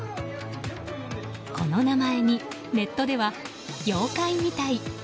この名前にネットでは妖怪みたい！